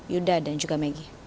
yuda dan juga maggie